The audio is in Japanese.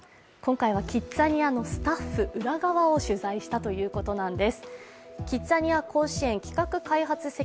今回はキッザニアのスタッフ裏側を取材したということなんです。